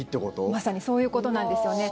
まさにそういうことなんですよね。